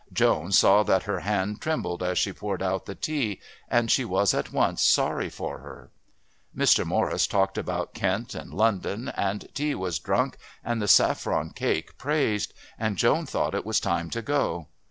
Joan saw that her hand trembled as she poured out the tea, and she was at once sorry for her. Mr. Morris talked about Kent and London, and tea was drunk and the saffron cake praised, and Joan thought it was time to go.